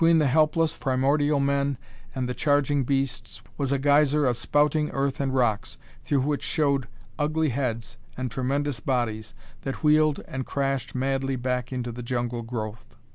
Between the helpless, primordial men and the charging beasts was a geyser of spouting earth and rocks, through which showed ugly heads and tremendous bodies that wheeled and crashed madly back into the jungle growth.